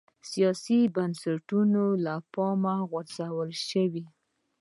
سیاسي بنسټونه له پامه وغورځول شول